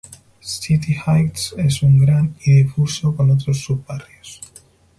City Heights es un gran y difuso, con otros sub-barrios.